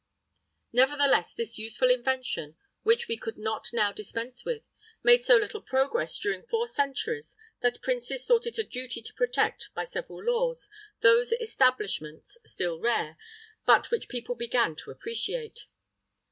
[III 35] Nevertheless, this useful invention, which we could not now dispense with, made so little progress during four centuries that princes thought it a duty to protect, by several laws, those establishments, still rare, but which people began to appreciate.